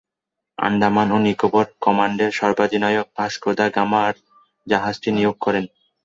আন্দামান ও নিকোবর কমান্ডের সর্বাধিনায়ক ভাস্কো দা গামায় জাহাজটি নিয়োগ করেন।